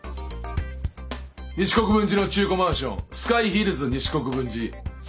西国分寺の中古マンションスカイヒルズ西国分寺。